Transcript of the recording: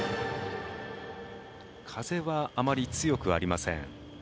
風はあまり強くありません。